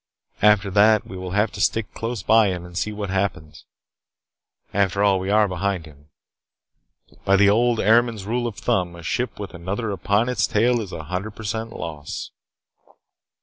After that we will have to stick close by him and see what happens. After all, we are behind him. By the old Airmen's rule of thumb, a ship with another upon its tail is a hundred percent loss."